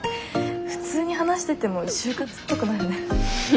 普通に話してても就活っぽくなるね。